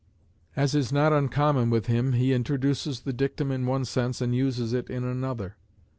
As is not uncommon with him, he introduces the dictum in one sense, and uses it in another.